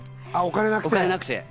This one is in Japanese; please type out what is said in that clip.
お金がなくて。